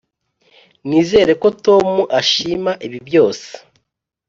nizere ko tom ashima ibi byose.